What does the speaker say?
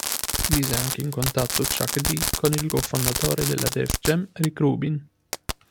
Mise anche in contatto Chuck D con il cofondatore della Def Jam Rick Rubin.